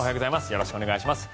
よろしくお願いします。